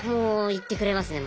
言ってくれますね。